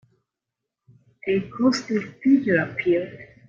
A ghostly figure appeared.